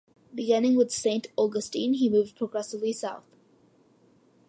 Beginning with Saint Augustine, he moved progressively south.